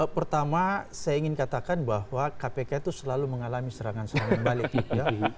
pertama saya ingin katakan bahwa kpk itu selalu mengalami serangan serangan balik tiga